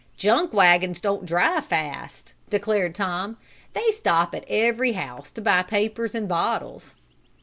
"Junk wagons don't drive fast," declared Tom. "They stop at every house to buy papers and bottles."